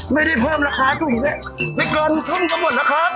ไม่ได้เพิ่มราคาสุ่มนี้ไม่เกินทุ่มกระบวนนะครับ